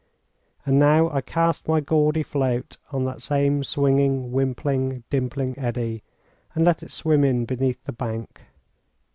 And now I cast my gaudy float on that same swinging, wimpling, dimpling eddy, and let it swim in beneath the bank.